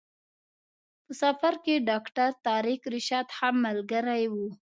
په سفر کې ډاکټر طارق رشاد هم ملګری و.